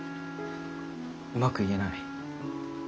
うまく言えない。